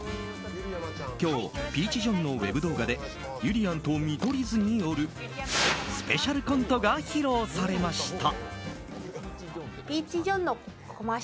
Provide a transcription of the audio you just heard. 今日ピーチ・ジョンのウェブ動画でゆりやんと見取り図によるスペシャルコントが披露されました。